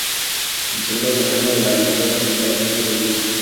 Es el bisabuelo materno de la diputada Camila Vallejo Dowling.